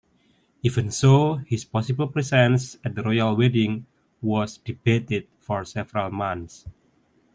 Even so, his possible presence at the royal wedding was debated for several months.